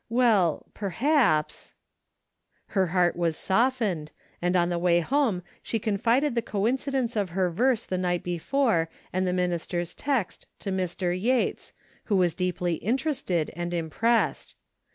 Well, perhaps Her heart was softened, and on the way home she confided the coincidence of her verse the night before and the minister's text to Mr. Yates, who was deeply interested and im pressed.